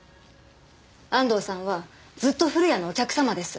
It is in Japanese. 安藤さんはずっと古谷のお客様です。